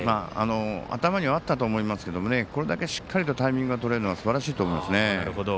頭にはあったと思いますがこれだけしっかりとタイミングがとれるのはすばらしいと思いますね。